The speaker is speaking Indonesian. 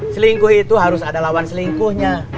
selingkuh itu harus ada lawan selingkuhnya